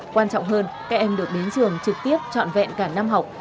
quan trọng hơn các em được đến trường trực tiếp trọn vẹn cả năm học